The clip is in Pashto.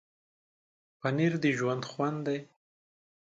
پنېر د ژوند خوند دی.